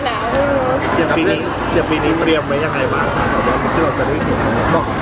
อย่างปีนี้เตรียมไว้อย่างไรบ้างที่เราจะได้ถึง